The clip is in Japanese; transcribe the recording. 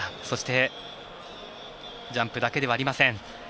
そしてジャンプだけではありません。